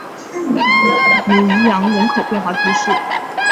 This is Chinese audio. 努伊扬人口变化图示